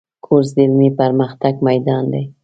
کورس د علمي پرمختګ میدان دی.